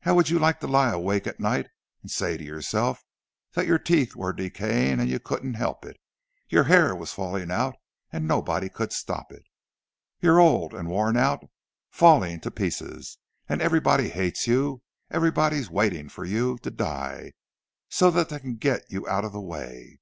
How would you like to lie awake at night and say to yourself that your teeth were decaying and you couldn't help it—your hair was falling out, and nobody could stop it? You're old and worn out—falling to pieces; and everybody hates you—everybody's waiting for you to die, so that they can get you out of the way.